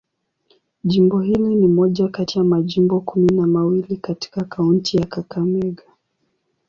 Jimbo hili ni moja kati ya majimbo kumi na mawili katika kaunti ya Kakamega.